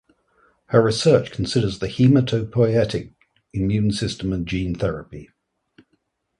Her research considers the haematopoietic immune system and gene therapy.